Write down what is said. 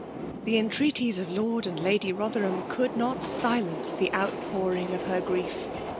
The entreaties of Loi^ and Lady Botherfaam could not silence the outpouring of her grief.